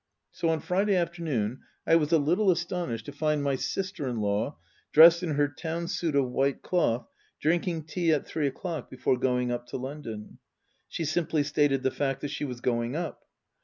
So on Friday afternoon I was a little astonished to find my sister in law, dressed in her town suit of white cloth, drinking tea at three o'clock before going up to London. She simply stated the fact that she was going up.